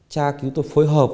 tra cứu tôi phối hợp